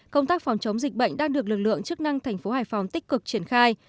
công tác phòng chống dịch bệnh đang được lực lượng chức năng thành phố hải phòng tích cực triển khai